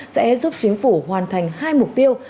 sẽ giúp chính phủ hoàn thành hai mục tiêu